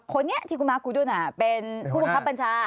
คนนี้ที่คุณมาร์คกูดุลเป็นผู้บังคับบัญชา